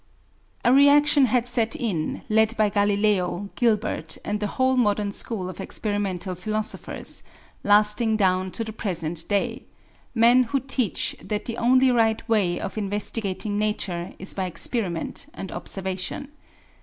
A reaction had set in, led by Galileo, Gilbert, and the whole modern school of experimental philosophers, lasting down to the present day: men who teach that the only right way of investigating Nature is by experiment and observation.